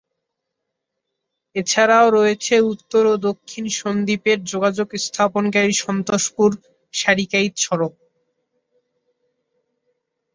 এছাড়াও রয়েছে উত্তর ও দক্ষিণ সন্দ্বীপের যোগাযোগ স্থাপনকারী সন্তোষপুর-সারিকাইত সড়ক।